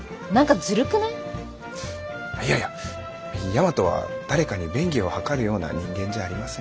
いやいや大和は誰かに便宜を図るような人間じゃありません。